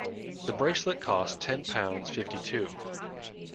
The bracelet costs ten pounds fifty-two